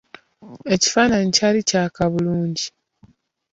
Ekifaananyi kyali kyaka bulungi.